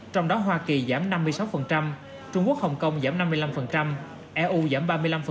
trong đó hoa kỳ giảm năm mươi sáu trung quốc hồng kông giảm năm mươi năm eu giảm ba mươi năm